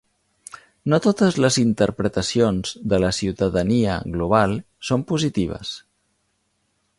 No totes les interpretacions de la ciutadania global són positives.